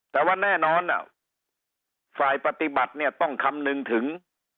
แต่ว่าแน่นอนฝ่ายปฏิบัติเนี่ยต้องคำนึงถึง